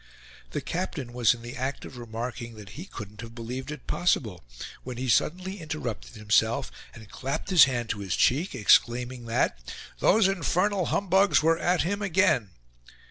The captain was in the act of remarking that he couldn't have believed it possible, when he suddenly interrupted himself, and clapped his hand to his cheek, exclaiming that "those infernal humbugs were at him again."